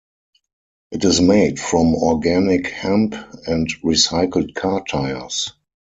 It is made from organic hemp and recycled car tires.